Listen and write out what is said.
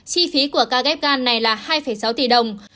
chi phí của ca ghép gan này là hai sáu tỷ đồng